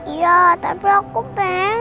iya tapi aku pengen